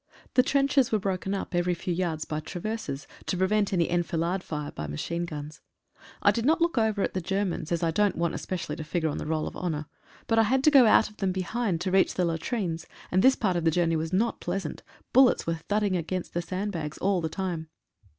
The trenches were broken up every few yards by traverses, to prevent any enfilade fire by machine 82 SOME LIVELY INCIDENTS. guns. I did not look over at the Germans, as I don't want specially to figure on the Roll of Honour. But I had to go out of them behind to reach the latri.it? — ani this part of the journey was not pleasant, bullets were thudding against the sandbags all the time.